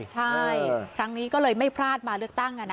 ใช่ครั้งนี้ก็เลยไม่พลาดมาเลือกตั้ง